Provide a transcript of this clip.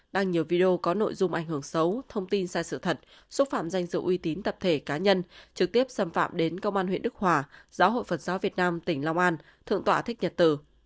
đăng nhiều video có nội dung ảnh hưởng xấu thông tin sai sự thật xúc phạm danh dự uy tín tập thể cá nhân trực tiếp xâm phạm đến công an huyện đức hòa giáo hội phật giáo việt nam tỉnh long an thượng tọa thích nhật tử